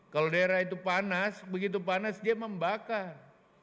kalau daerah itu panas begitu panas dia membakar